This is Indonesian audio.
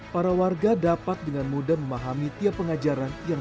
para warga dapat dengan mudah memahami tentang pendidikan yang berkembang